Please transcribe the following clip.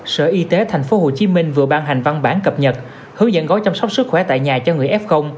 sở y tế tp hcm vừa ban hành văn bản cập nhật hướng dẫn gói chăm sóc sức khỏe tại nhà cho người f